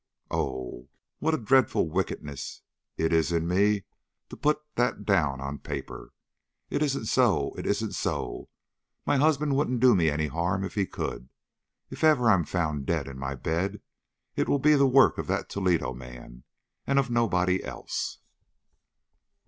Oh, what a dreadful wickedness it is in me to put that down on paper! It isn't so it isn't so; my husband wouldn't do me any harm if he could. If ever I'm found dead in my bed, it will be the work of that Toledo man and of nobody else."